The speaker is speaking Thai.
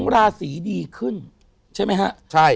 ๒ราศีดีขึ้นใช่ไหมช่าย